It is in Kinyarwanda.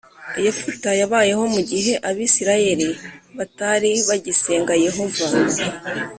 yefuta yabayeho mu gihe abisirayeli batari bagisenga yehova